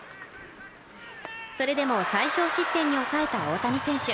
それでも最少失点に抑えた大谷選手。